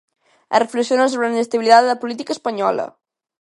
E reflexionan sobre a inestabilidade da política española.